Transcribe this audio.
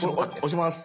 押します。